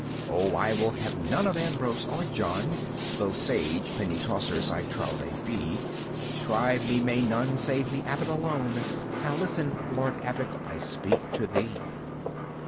"Oh, I will have none of Ambrose or John, Though sage penitauncers I trow they be; Shrive me may none save the Abbot alone Now listen, Lord Abbot, I speak to thee.